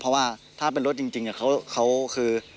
เพราะว่าถ้าเป็นรถจริงอย่างเช่นเขาคือ